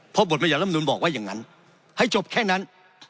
เพราะบทบรรยัติรำนูนบอกว่าอย่างนั้นให้จบแค่นั้น